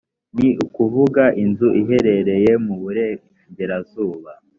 ni ukuvuga inzu iherereye mu burengerazuba